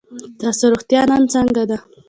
ستاسو روغتیا نن څنګه ده؟